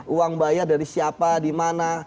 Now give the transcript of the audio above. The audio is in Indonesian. uang bayar dari siapa di mana